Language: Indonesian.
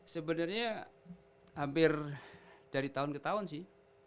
sebenarnya hampir dari tahun ke tahun sih